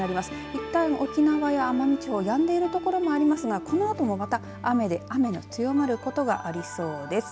いったん沖縄や奄美地方やんでいる所もありますがこのあともまた雨で雨の強まることがありそうです。